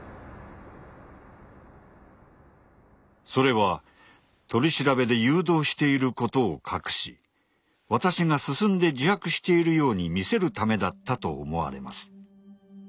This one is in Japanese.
それは取り調べで誘導していることを隠し私が進んで自白しているように見せるためだったと思われます。